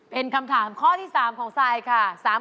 เป็นคำถามข้อที่๓ของซายค่ะ